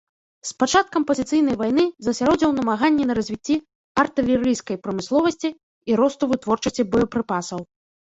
З пачаткам пазіцыйнай вайны засяродзіў намаганні на развіцці артылерыйскай прамысловасці і росту вытворчасці боепрыпасаў.